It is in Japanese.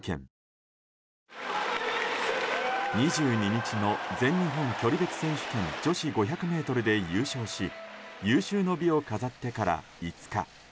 ２２日の全日本距離別選手権女子５００ｍで優勝し有終の美を飾ってから５日。